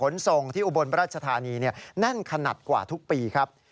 ส่งที่อุบลราชธานีแน่นขนาดกว่าทุกปีครับ